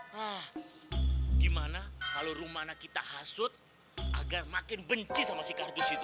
hah gimana kalau rumahnya kita hasut agar makin benci sama si kardus itu